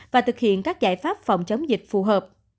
và thực hiện các giải pháp phòng chống dịch phù hợp